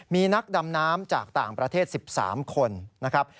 มีนักดำน้ำจากต่างประเทศ๑๓คนนะครับ